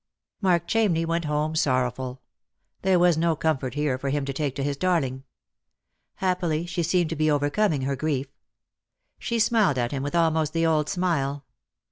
Mark Chamney went home sorrowful. There was no comfort here for him to take to his darling. Happily, she seemed to be overcoming her grief. She smiled at him with almost the old smile.